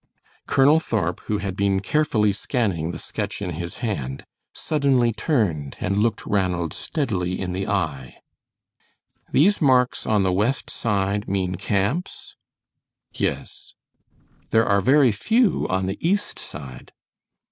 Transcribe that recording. Colonel Thorp, who had been carefully scanning the sketch in his hand, suddenly turned and looked Ranald steadily in the eye. "These marks on the west side mean camps?" "Yes." "There are very few on the east side?"